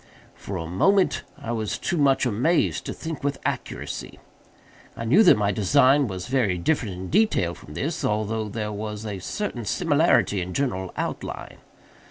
For a moment I was too much amazed to think with accuracy. I knew that my design was very different in detail from this—although there was a certain similarity in general outline.